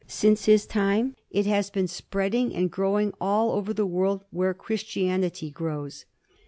Since his time it has been spreading and growing all over the world where Christianity grows.